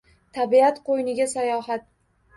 Tabiat qo‘yniga sayohat